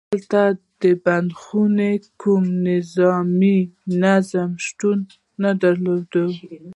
هلته د بندیخانې کوم منظم نظام شتون نه درلود.